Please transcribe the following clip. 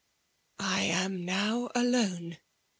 '' I am now alone